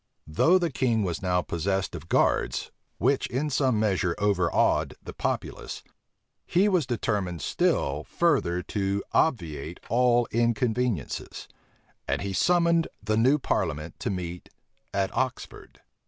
Though the king was now possessed of guards, which in some measure overawed the populace, he was determined still further to obviate all inconveniences; and he summoned the new parliament to meet at Oxford.